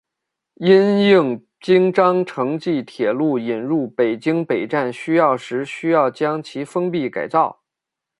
因应京张城际铁路引入北京北站需要时需要将其封闭改造。